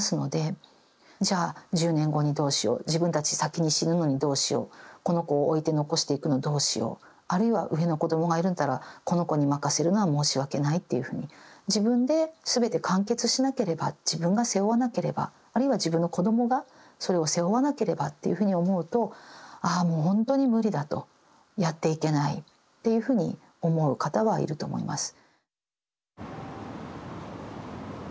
じゃあ１０年後にどうしよう自分たち先に死ぬのにどうしようこの子を置いて残していくのどうしようあるいは上の子どもがいるんならこの子に任せるのは申し訳ないというふうに自分で全て完結しなければ自分が背負わなければあるいは自分の子どもがそれを背負わなければっていうふうに思うとああほんとに無理だとやっていけないっていうふうに思う方はいると思います。